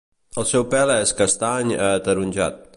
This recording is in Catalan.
El seu pèl és castany a ataronjat.